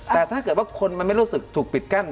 แต่ถ้าเกิดว่าคนมันไม่รู้สึกถูกปิดกั้น